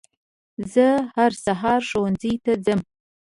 زه هر سهار ښوونځي ته ځم